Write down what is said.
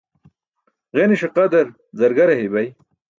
Ġeniṣe qadar zargare heybay.